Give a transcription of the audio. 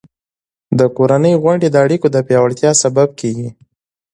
د کورنۍ غونډې د اړیکو د پیاوړتیا سبب کېږي.